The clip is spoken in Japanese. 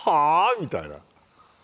みたいな。